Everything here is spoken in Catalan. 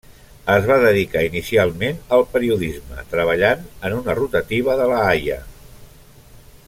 Es va dedicar inicialment al periodisme, treballant en una rotativa de La Haia.